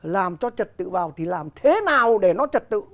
làm cho trật tự vào thì làm thế nào để nó trật tự